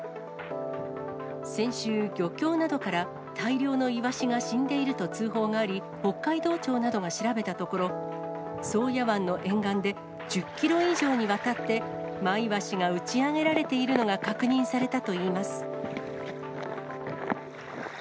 先週、漁協などから大量のイワシが死んでいると通報があり、北海道庁などが調べたところ、宗谷湾の沿岸で１０キロ以上にわたって、マイワシが打ち上げられているのが確認されたといいます。